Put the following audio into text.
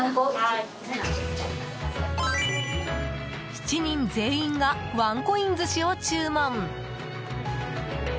７人全員がワンコイン寿司を注文。